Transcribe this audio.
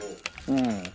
うん。